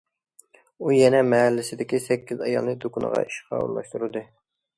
ئۇ يەنە مەھەللىسىدىكى سەككىز ئايالنى دۇكىنىغا ئىشقا ئورۇنلاشتۇردى.